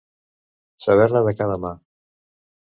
Saber-ne de cada mà.